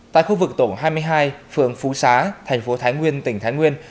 tại khu vực tổng hai mươi hai phường phú xá tp thái nguyên tỉnh thái nguyên